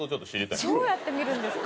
どうやって見るんですか？